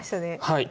はい。